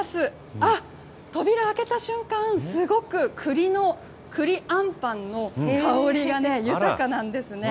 あっ、扉開けた瞬間、すごくくりの、くりあんぱんの香りがね、豊かなんですね。